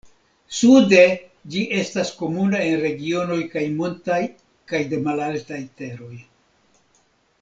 Sude ĝi estas komuna en regionoj kaj montaj kaj de malaltaj teroj.